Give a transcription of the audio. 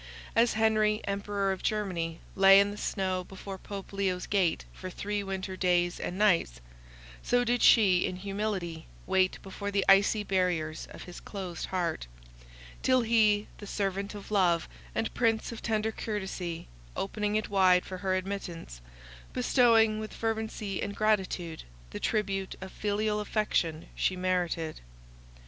As Henry, Emperor of Germany, lay in the snow before Pope Leo's gate for three winter days and nights, so did she in humility wait before the icy barriers of his closed heart, till he, the servant of love, and prince of tender courtesy, opened it wide for her admittance, bestowing, with fervency and gratitude, the tribute of filial affection she merited.